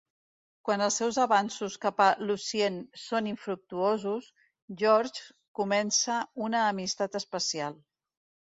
Quan els seus avanços cap a Lucien són infructuosos, Georges comença una "amistat especial".